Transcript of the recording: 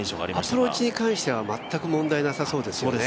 アプローチに関しては全く問題なさそうですね。